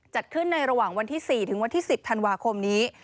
จัดขึ้นในระหว่างวันที่๔ถึงวันที่๑๐ธันวาคมนี้